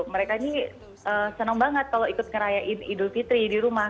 mereka ini senang banget kalau ikut ngerayain idul fitri di rumah